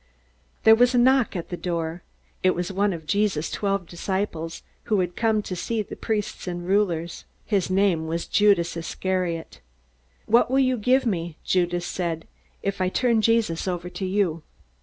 There was a knock at the door. It was one of Jesus' twelve disciples, who had come to see the priests and rulers. His name? His name was Judas Iscariot. "What will you give me," Judas said, "if I turn Jesus over to you?"